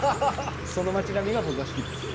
その街並みが僕は好きです。